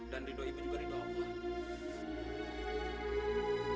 dan rido ibu juga rido allah